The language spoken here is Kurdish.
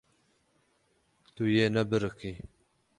Tu yê nebiriqî.